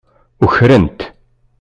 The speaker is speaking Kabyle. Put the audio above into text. Ukren-t.